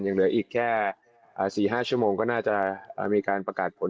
ยังเหลืออีกแค่๔๕ชั่วโมงก็น่าจะมีการประกาศผล